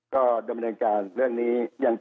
ก็ดำเนินการเรื่องนี้